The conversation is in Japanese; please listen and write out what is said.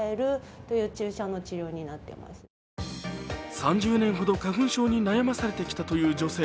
３０年ほど花粉症に悩まされてきたという女性。